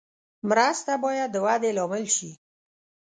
مرسته باید د ودې لامل شي.